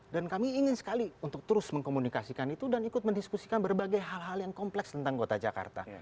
dan kami ingin sekali untuk terus mengkomunikasikan itu dan ikut mendiskusikan berbagai hal hal yang kompleks tentang kota jakarta